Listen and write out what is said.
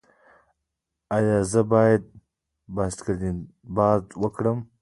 ایا زه باید باسکیټبال وکړم؟